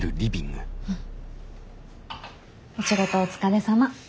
お仕事お疲れさま。